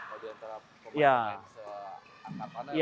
oh diantara pemain yang main seangkat mana ya